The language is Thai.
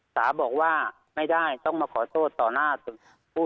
สาบอกว่าไม่ได้ต้องมาขอโทษต่อหน้าผู้